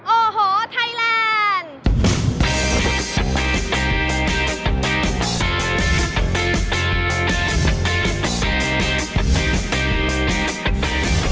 โอ้โหไทยแลนด์